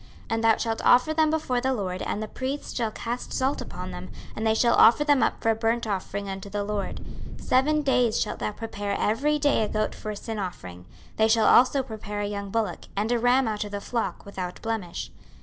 26:043:024 And thou shalt offer them before the LORD, and the priests shall cast salt upon them, and they shall offer them up for a burnt offering unto the LORD. 26:043:025 Seven days shalt thou prepare every day a goat for a sin offering: they shall also prepare a young bullock, and a ram out of the flock, without blemish.